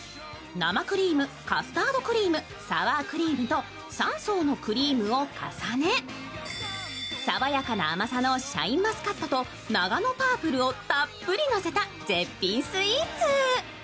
生クリーム、カスタードクリームサワークリームと３層のクリームを重ね、爽やかな甘さのシャインマスカットとナガノパープルをたっぷりのせた絶品スイーツ。